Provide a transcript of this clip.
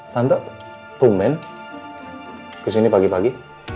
tante tumen kesini pagi pagi